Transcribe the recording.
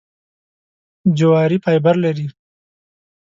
جواري فایبر لري .